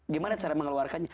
gimana cara mengeluarkannya